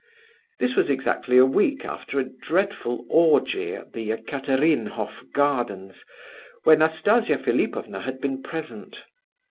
This was exactly a week after a dreadful orgy at the Ekaterinhof gardens, where Nastasia Philipovna had been present.